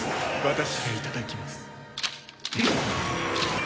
私がいただきます。